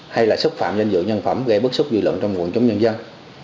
hay là xúc phạm danh dự nhân phẩm gây bức xúc dư luận trong nguồn chống nhân dân